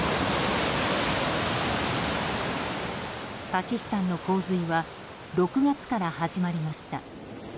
パキスタンの洪水は６月から始まりました。